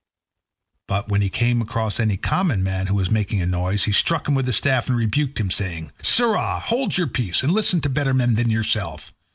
But when he came across any common man who was making a noise, he struck him with his staff and rebuked him, saying, "Sirrah, hold your peace, and listen to better men than yourself.